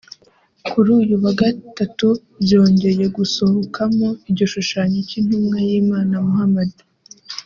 kuri uyu wa gatatu byongeye gusohokamo igishushanyo cy’intumwa y’imana Mohammad